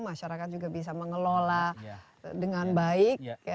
masyarakat juga bisa mengelola dengan baik